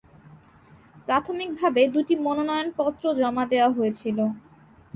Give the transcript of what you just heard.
প্রাথমিকভাবে দুটি মনোনয়নপত্র জমা দেওয়া হয়েছিল।